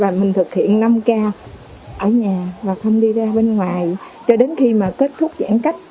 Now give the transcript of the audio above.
và mình thực hiện năm k ở nhà và không đi ra bên ngoài cho đến khi mà kết thúc giãn cách